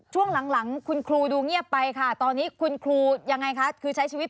สวัสดีครับ